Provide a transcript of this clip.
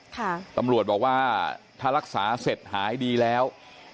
ตำรวจบอกว่าถ้ารักษาเสร็จหายดีแล้ว